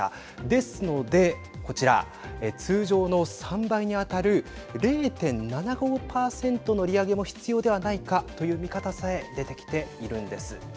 ですので、こちら通常の３倍に当たる０．７５％の利上げも必要ではないかという見方さえも出てきているんです。